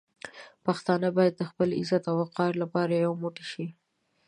پښتانه باید د خپل عزت او وقار لپاره یو موټی شي.